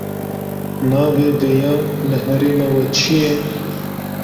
Navê vêya li herêma we çi ye?